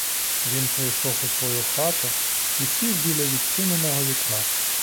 Він прийшов у свою хату і сів біля відчиненого вікна.